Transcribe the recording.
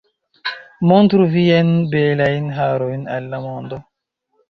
Montru viajn belajn harojn al la mondo